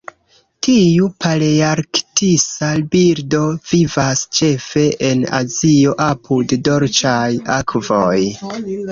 Tiu palearktisa birdo vivas ĉefe en Azio apud dolĉaj akvoj.